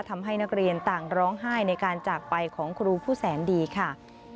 ทำให้นักเรียนต่างร้องไห้ในการจากไปของครูผู้แสนดีค่ะ